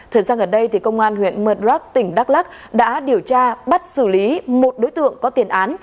thật ra gần đây thì công an huyện mật rắc tỉnh đắk lắc đã điều tra bắt xử lý một đối tượng có tiền án